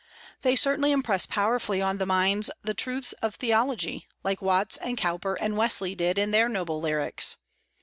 They certainly impress powerfully on the mind the truths of theology, as Watts and Cowper and Wesley did in their noble lyrics.